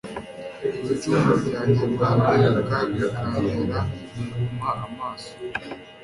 ibicumuro byanjye birampinduka bikantera guhuma amaso